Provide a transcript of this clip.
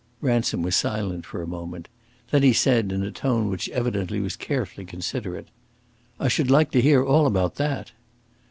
Ransom was silent a moment; then he said, in a tone which evidently was carefully considerate, "I should like to hear all about that!"